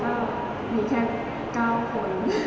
แต่ว่าเราไม่ถึงตอนนี้ก็มีแค่๙คน